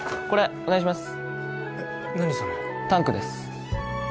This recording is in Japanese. お願いします